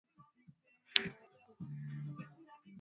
jamhuri hii Mwaka wa elfumoja miatisa themanini nne